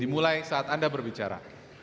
dimulai saat anda berbicara